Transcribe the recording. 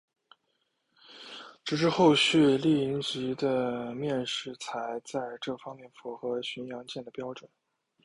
直至后续丽蝇级的面世才在这方面符合巡洋舰的标准。